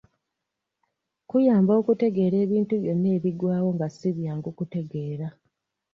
Kuyamba okutegeera ebintu byonna ebigwawo nga ssi byangu kutegeera.